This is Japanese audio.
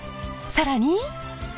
更に。